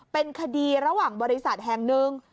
เป็นคดีระหว่างบริษัทแห่งหนึ่ง